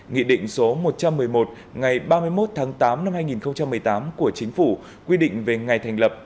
nghị định số một trăm một mươi một ngày ba mươi một tháng tám năm hai nghìn một mươi tám của chính phủ quy định về ngày thành lập